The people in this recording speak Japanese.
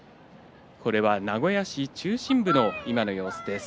名古屋市中心部の今の様子です。